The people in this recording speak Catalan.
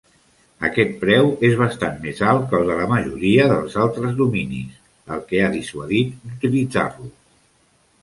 Aquest preu és bastant més alt que el de la majoria dels altres dominis, el que ha dissuadit d'utilitzar-lo.